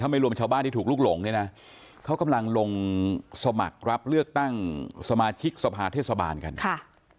ไม่รวมชาวบ้านที่ถูกลุกหลงเนี่ยนะเขากำลังลงสมัครรับเลือกตั้งสมาชิกสภาเทศบาลกันค่ะ